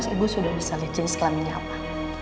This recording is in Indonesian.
ibu sudah bisa lezat sekalian minyak ma